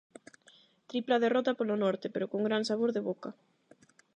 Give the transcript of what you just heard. Tripla derrota polo norte, pero con gran sabor de boca.